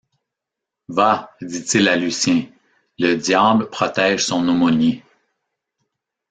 Va, dit-il à Lucien, le diable protège son aumônier.